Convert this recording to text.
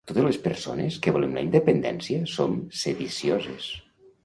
Totes les persones que volem la independència som sedicioses.